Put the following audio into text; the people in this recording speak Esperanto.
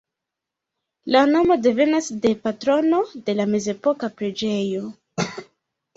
La nomo devenas de patrono de la mezepoka preĝejo.